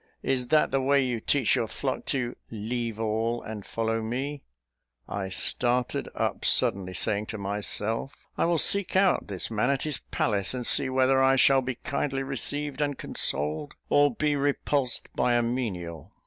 Is that the way you teach your flock to 'leave all, and follow me'?" I started up suddenly, saying to myself, "I will seek this man in his palace, and see whether I shall be kindly received and consoled, or be repulsed by a menial."